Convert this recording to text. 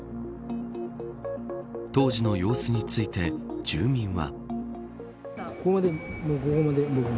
当時の様子について住民は。